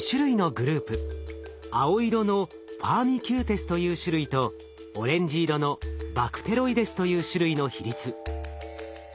青色のファーミキューテスという種類とオレンジ色のバクテロイデスという種類の比率。